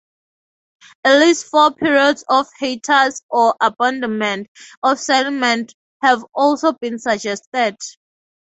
At least four periods of hiatus or abandonment of settlement have also been suggested.